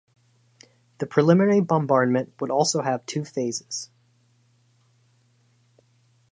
The preliminary bombardment would also have two phases.